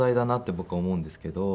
僕は思うんですけど。